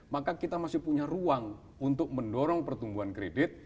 maka kita masih punya ruang untuk mendorong pertumbuhan kredit